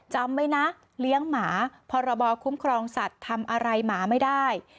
จำไว้นะเลี้ยงหมาพรบคุ้มครองสัตว์ทำอะไรหมาไม่ได้